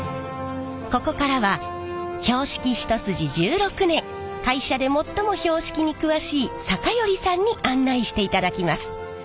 ここからは標識一筋１６年会社で最も標識に詳しい坂寄さんに案内していただきます。